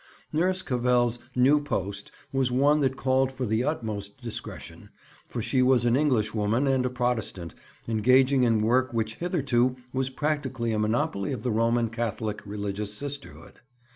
Nurse Cavell's new post was one that called for the utmost discretion, for she was an Englishwoman and a Protestant, engaging in work which hitherto was practically a monopoly of the Roman Catholic religious sisterhood.